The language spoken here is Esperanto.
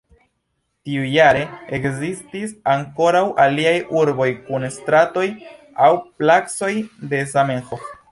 Tiujare ekzistis ankoraŭ aliaj urboj kun stratoj aŭ placoj de Zamenhof.